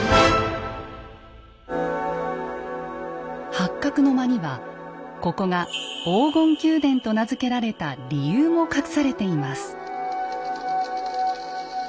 八角の間にはここが「黄金宮殿」と名付けられた理由も隠されています。